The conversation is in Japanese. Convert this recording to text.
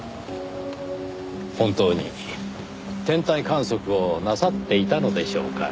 本当に天体観測をなさっていたのでしょうかねぇ。